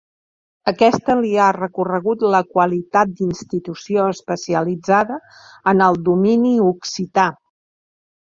Aquesta li ha reconegut la qualitat d'institució especialitzada en el domini occità.